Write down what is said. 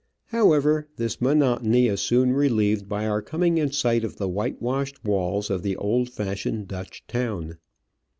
However, this monotony is soon relieved by our coming in sight of the whitewashed walls of the old fashioned Dutch town.